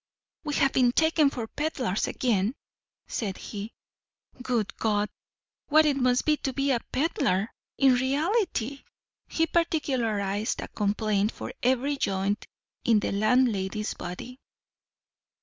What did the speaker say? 'We have been taken for pedlars again,' said he. 'Good God, what it must be to be a pedlar in reality!' He particularised a complaint for every joint in the landlady's body.